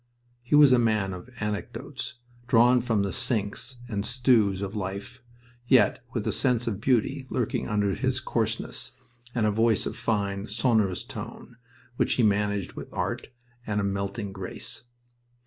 He was a man of many anecdotes, drawn from the sinks and stews of life, yet with a sense of beauty lurking under his coarseness, and a voice of fine, sonorous tone, which he managed with art and a melting grace.